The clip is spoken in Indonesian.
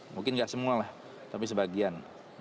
mungkin nggak semua lah tapi sebagian